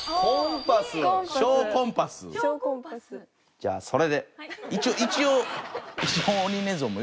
じゃあそれで。